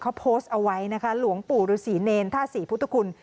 เขาโพสต์เอาไว้นะคะหลวงปู่ฤษีเนรท่าศรีพุทธคุณ